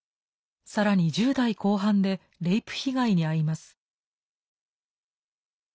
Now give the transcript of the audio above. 更に１０代後半でレイプ被害にあいます。